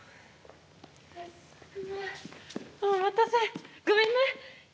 お待たせごめんね。